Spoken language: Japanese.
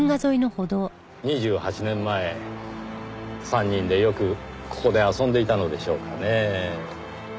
２８年前３人でよくここで遊んでいたのでしょうかねぇ。